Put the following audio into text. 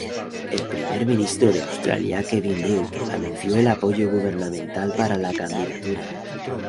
El primer ministro de Australia, Kevin Rudd, anunció el apoyo gubernamental para la candidatura.